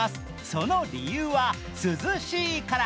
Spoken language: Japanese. その理由は涼しいから。